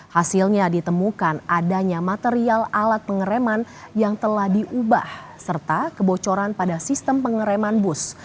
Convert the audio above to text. hasilnya ditemukan adanya material alat pengereman yang telah diubah serta kebocoran pada sistem pengereman bus